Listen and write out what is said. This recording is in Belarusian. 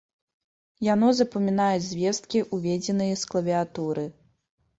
Яно запамінае звесткі, уведзеныя з клавіятуры.